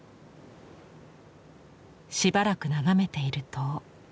しばらく眺めていると。